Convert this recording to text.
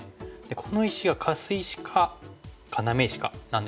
この石がカス石か要石かなんですけれども。